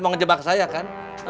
mau ngejebak saya kan